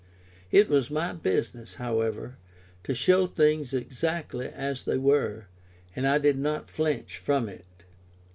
It was my business, however, to show things exactly as they were, and I did not flinch from it.